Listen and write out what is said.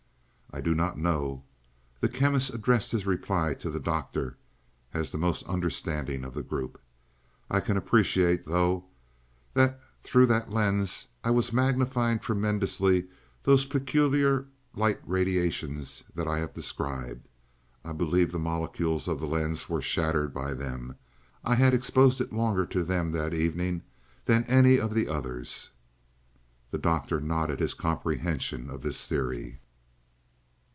"I do not know." The Chemist addressed his reply to the Doctor, as the most understanding of the group. "I can appreciate, though, that through that lens I was magnifying tremendously those peculiar light radiations that I have described. I believe the molecules of the lens were shattered by them I had exposed it longer to them that evening than any of the others." The Doctor nodded his comprehension of this theory.